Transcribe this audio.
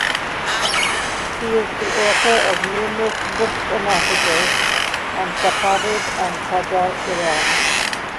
He is the author of numerous books and articles on Safavid and Qajar Iran.